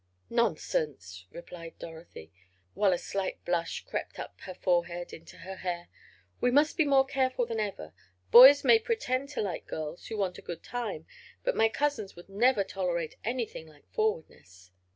"Nonsense," replied Dorothy, while a slight blush crept up her forehead into her hair. "We must be more careful than ever. Boys may pretend to like girls who want a good time, but my cousins would never tolerate anything like forwardness."